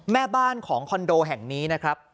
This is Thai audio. แม่บ้านของคอนโดแห่งนี้นะครับ